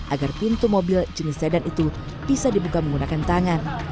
agar pintu mobil jenis sedan itu bisa dibuka menggunakan tangan